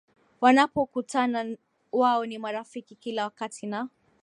Wanapokutana wao ni marafiki kila wakati na